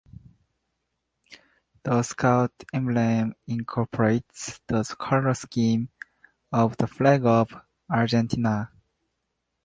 The Scout emblem incorporates the color scheme of the flag of Argentina.